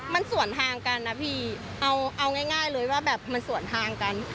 มันส่วนทางกันนะพี่เอาง่ายเลยว่าแบบมันส่วนทางกัน